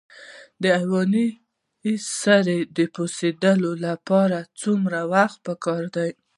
د حیواني سرې د پوسیدو لپاره څومره وخت پکار دی؟